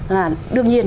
là đương nhiên